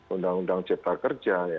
undang undang cepat kerja